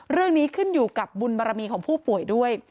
เรื่องนี้ขึ้นอยู่กับบุญบารมีของผู้ป่วยด้วย